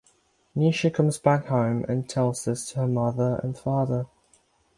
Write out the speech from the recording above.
Nisha comes back home and tells this to her mother and father.